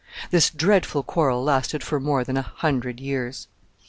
This dreadful quarrel lasted for more than a hundred years.